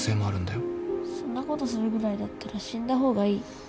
そんなことするぐらいだったら死んだ方がいい。